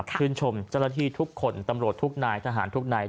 ชื่นชมเจ้าหน้าที่ทุกคนตำรวจทุกนายทหารทุกนาย